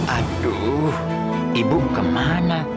aduh ibu kemana